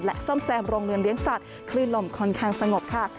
ซ่อมแซมโรงเรือนเลี้ยงสัตว์คลื่นลมค่อนข้างสงบค่ะ